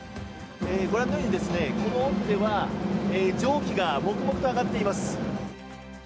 ご覧のようにこの奥では蒸気がもくもくと上がっています。